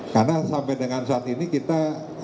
karena sampai dengan saat ini kita